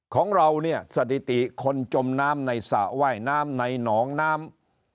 ของเราเนี่ยสถิติคนจมน้ำในสระว่ายน้ำในหนองน้ำ